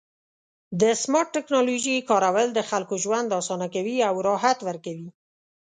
د سمارټ ټکنالوژۍ کارول د خلکو ژوند اسانه کوي او راحت ورکوي.